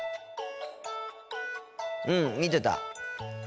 うん見てた。